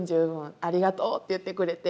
ありがとう」って言ってくれて。